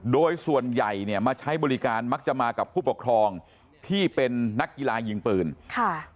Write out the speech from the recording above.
โดยส่วนใหญ่เนี่ยมาใช้บริการมักจะมากับผู้ปกครองที่เป็นนักกีฬายิงปืนค่ะ